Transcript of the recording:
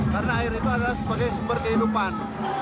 karena air itu adalah sebagai sumber kehidupan